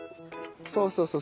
そうそうそう。